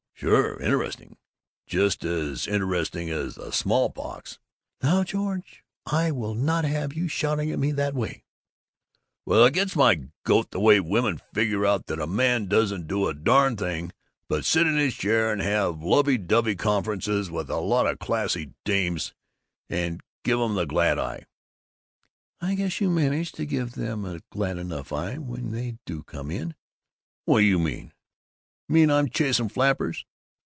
Sure! Interesting! Just as interesting as the small pox!" "Now, George, I will not have you shouting at me that way!" "Well, it gets my goat the way women figure out that a man doesn't do a darn thing but sit on his chair and have lovey dovey conferences with a lot of classy dames and give 'em the glad eye!" "I guess you manage to give them a glad enough eye when they do come in." "What do you mean? Mean I'm chasing flappers?"